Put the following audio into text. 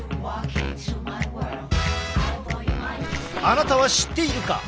あなたは知っているか？